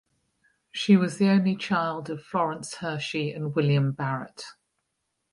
She was the only child of Florence Hershey and William Barrett.